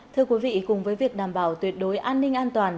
thưa quý vị cùng với việc đảm bảo tuyệt đối an ninh an toàn